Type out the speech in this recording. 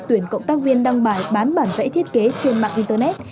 tuyển cộng tác viên đăng bài bán bản vẽ thiết kế trên mạng internet